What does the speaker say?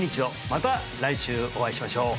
また来週お会いしましょう！